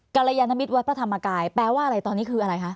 กรยานมิตรวัดพระธรรมกายแปลว่าอะไรตอนนี้คืออะไรคะ